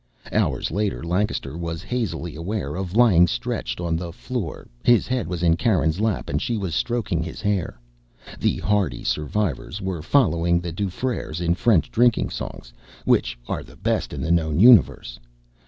Hours later, Lancaster was hazily aware of lying stretched on the floor. His head was in Karen's lap and she was stroking his hair. The hardy survivors were following the Dufreres in French drinking songs, which are the best in the known universe.